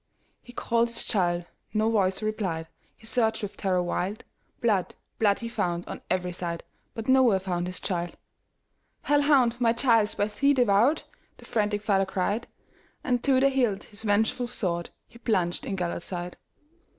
He called his child,—no voice replied,—He searched with terror wild; Blood, blood, he found on every side, But nowhere found his child."Hell hound! my child 's by thee devoured,"The frantic father cried; And to the hilt his vengeful swordHe plunged in Gêlert's side.